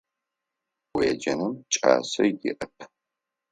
Уеджэным кӏасэ иӏэп.